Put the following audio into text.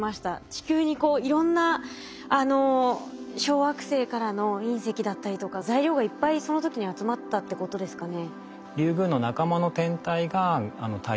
地球にいろんな小惑星からの隕石だったりとか材料がいっぱいその時に集まったってことですかね？